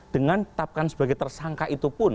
dengan tetapkan sebagai tersangka itu pun